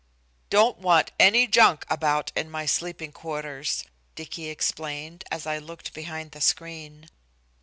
"Don't want any junk about my sleeping quarters," Dicky explained, as I looked behind the screen.